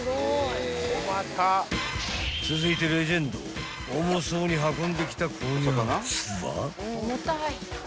［続いてレジェンド重そうに運んできたこやつは］